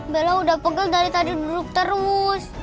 bella udah pegel dari tadi duduk terus